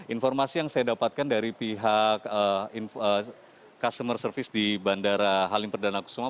informasi yang saya dapatkan dari pihak customer service di bandara halim perdana kusuma